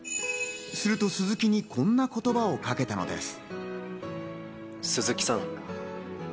すると、鈴木にこんな言葉をかけたのです。